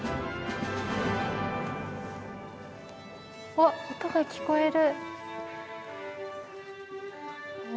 わっ音が聞こえる。